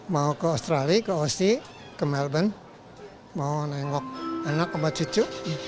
mau ke australia ke osi ke melbourne mau nengok anak obat cucu